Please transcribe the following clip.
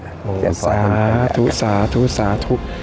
อย่างตอนนั้นแหละครับอย่างตอนนั้นแหละครับทุก